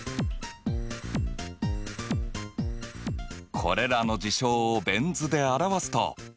これらの事象をベン図で表すと。